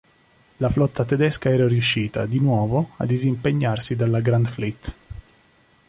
La flotta tedesca era riuscita, di nuovo, a disimpegnarsi dalla "Grand Fleet".